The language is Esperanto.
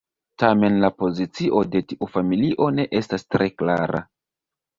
Tamen la pozicio de tiu familio ne estas tre klara.